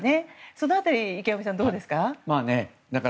その辺り池上さん、どうですか。